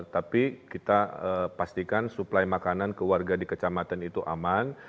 tapi kita pastikan suplai makanan ke warga di kecamatan itu aman